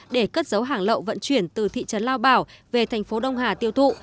để cất dấu hàng lậu vận chuyển từ thị trấn lao bảo về thành phố đông hà tiêu thụ